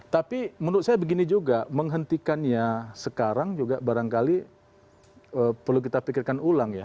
tapi menurut saya begini juga menghentikannya sekarang juga barangkali perlu kita pikirkan ulang ya